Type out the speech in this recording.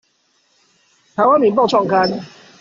臺灣民報創刊